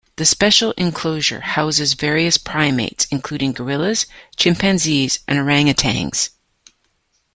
The special enclosure houses various primates, including gorillas, chimpanzees and orangutans.